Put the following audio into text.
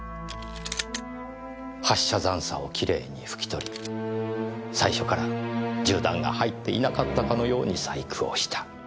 発射残渣をきれいに拭き取り最初から銃弾が入っていなかったかのように細工をした。